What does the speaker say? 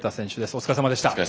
お疲れさまでした。